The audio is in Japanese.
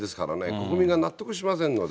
国民が納得しませんので。